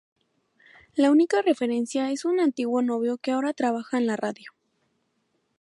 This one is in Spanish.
La única referencia es un antiguo novio que ahora trabaja en la radio.